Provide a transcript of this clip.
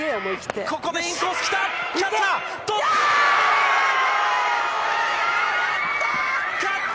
ここでインコースきた。